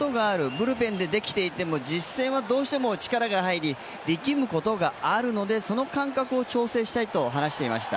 ブルペンでできていても実戦はどうしても力が入り力むことがあるのでその感覚を調整したいと話していました。